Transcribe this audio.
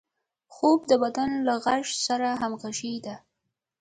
خوب د بدن له غږ سره همغږي ده